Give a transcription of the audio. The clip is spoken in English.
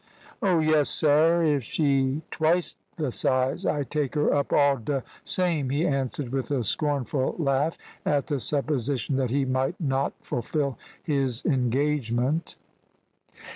"`Oh yes, sare, if she twice the size, I take her up all de same,' he answered with a scornful laugh at the supposition that he might not fulfil his engagement.